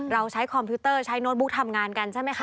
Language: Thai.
ใช้คอมพิวเตอร์ใช้โน้ตบุ๊กทำงานกันใช่ไหมคะ